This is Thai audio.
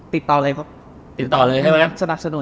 ติดต่อเลยครับ